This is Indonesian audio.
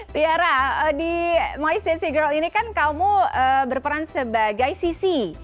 tiara di my sissy girl ini kan kamu berperan sebagai sissy